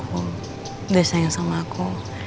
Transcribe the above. udah sayang sama aku